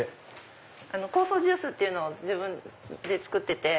酵素ジュースっていうのを自分で作ってて。